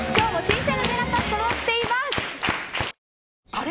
あれ？